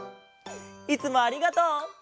いつもありがとう！